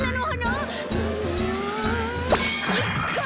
うんかいか！